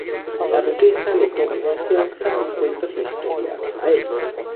La Duquesa le toma confianza y cuenta su historia a Rafael.